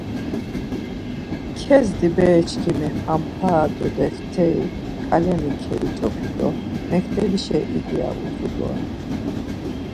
Kezdi bereçkimi ham para do defteri, ǩalemi keiç̌opi do mektebişe idi ya utzu doren.